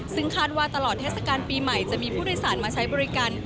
ซึ่งคาดว่าตลอดเทศกาลปีใหม่จะมีผู้โดยสารมาใช้บริการ